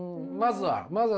まずは。